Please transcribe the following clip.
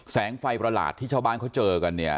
แสงไฟประหลาดที่ชาวบ้านเขาเจอกันเนี่ย